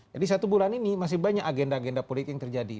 jadi satu bulan ini masih banyak agenda agenda politik yang terjadi